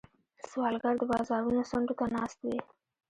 سوالګر د بازارونو څنډو ته ناست وي